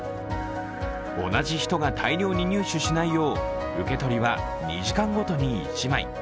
同じ人が大量に入手しないよう受け取りは２時間ごとに１枚。